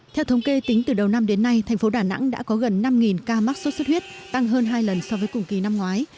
theo thống kê tính từ đầu năm đến nay thành phố đà nẵng đã có gần năm ca mắc sốt xuất huyết tăng hơn hai lần so với cùng kỳ năm ngoái